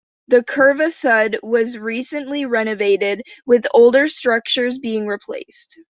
The Curva Sud was recently renovated, with older structures being replaced.